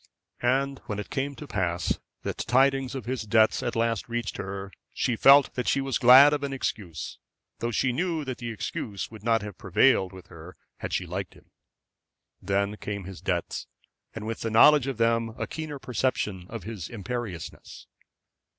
And when it came to pass that tidings of his debts at last reached her, she felt that she was glad of an excuse, though she knew that the excuse would not have prevailed with her had she liked him. Then came his debts, and with the knowledge of them a keener perception of his imperiousness.